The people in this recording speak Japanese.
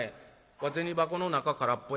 わっ銭箱の中空っぽや。